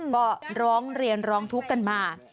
ก็ร้องเรียนร้องทุกข์กันมา